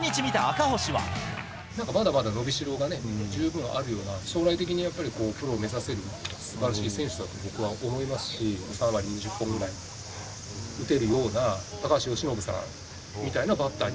丸田のバッティングを一日見まだまだ伸びしろがね、十分あるような、将来的にやっぱりプロを目指せるすばらしい選手だと、僕は思いますし、３割２０本ぐらい打てるような高橋由伸さんみたいなバッターに。